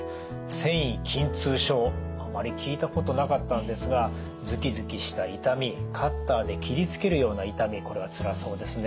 線維筋痛症あまり聞いたことなかったんですがズキズキした痛みカッターで切りつけるような痛みこれはつらそうですね。